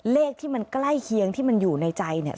เลขที่มันใกล้เคียงที่มันอยู่ในใจเนี่ย